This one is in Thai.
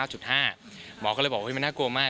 หมอก็เลยบอกว่ามันน่ากลัวมาก